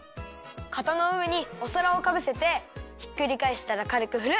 かたのうえにおさらをかぶせてひっくりかえしたらかるくふる！